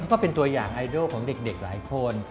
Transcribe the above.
ก็เป็นตัวอย่างไอดอลของเด็กหลายคน